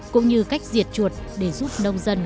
cũng như cách diệt chuột để giúp nông dân